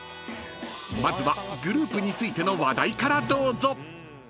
［まずはグループについての話題からどうぞ］